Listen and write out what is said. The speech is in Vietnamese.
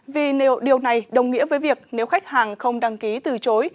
vì điều này đồng nghĩa với việc nếu khách hàng không đăng ký từ chối